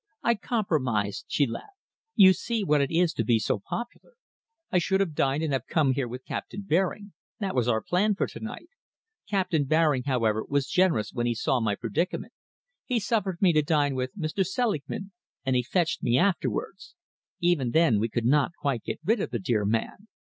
"I compromised," she laughed. "You see what it is to be so popular. I should have dined and have come here with Captain Baring that was our plan for to night. Captain Baring, however, was generous when he saw my predicament. He suffered me to dine with Mr. Selingman, and he fetched me afterwards. Even then we could not quite get rid of the dear man.